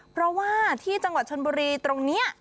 เพราะว่าที่จังหวัดชนบุรีตรงนี้